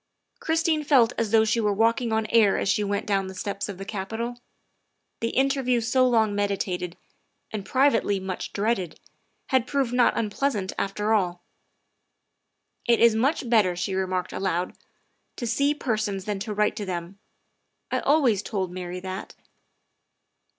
Christine felt as though she were walking on air as she went down the steps of the Capitol. The interview so long meditated, and privately much dreaded, had proved not unpleasant, after all. "It is much better," she remarked aloud, " to see persons than to write to them ; I always told Mary that.